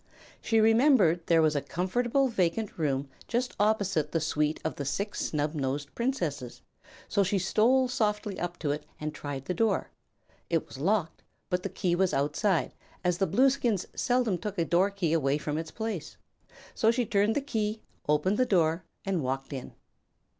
She remembered there was a comfortable vacant room just opposite the suite of the Six Snubnosed Princesses, so she stole softly up to it and tried the door. It was locked, but the key was outside, as the Blueskins seldom took a door key away from its place. So she turned the key, opened the door, and walked in.